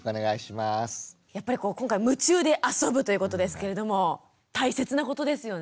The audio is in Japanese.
やっぱり今回「夢中であそぶ」ということですけれども大切なことですよね。